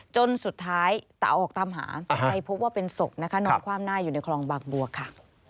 จนสุดท้ายตาออกตามหาไปพบว่าเป็นศพนะคะนอนความหน้าอยู่ในคลองบางบัวค่ะ